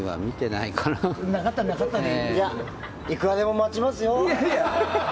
いや、いくらでも待ちますよ。